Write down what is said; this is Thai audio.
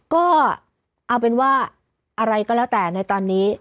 ก็เอาเป็นว่าอะไรก็แล้วแต่ในตอนนี้